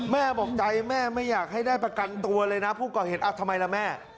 แม่บอกใจแม่ไม่อยากให้ได้ประกันตัวเลยนะผู้ก่อเหตุทำไมล่ะแม่